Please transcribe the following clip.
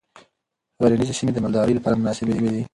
غرنیزې سیمې د مالدارۍ لپاره مناسبې دي.